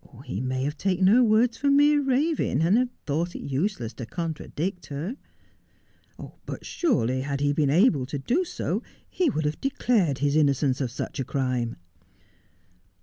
' He may have taken her words for mere raving, and have thought it useless to contradict her.' ' But surely had he been able to so he would have declared his innocence of such a crime.'